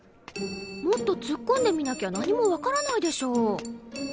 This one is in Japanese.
もっと突っ込んでみなきゃ何も分からないでしょ。